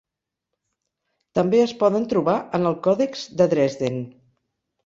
També es poden trobar en el còdex de Dresden.